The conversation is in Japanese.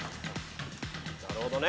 なるほどね。